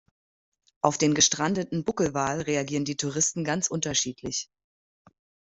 Auf den gestrandeten Buckelwal reagieren die Touristen ganz unterschiedlich.